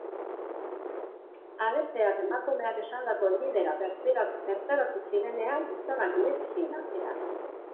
Agenteak emakumeak esandako helbidera bertaratu zirenean, gizonak ireki zien atea.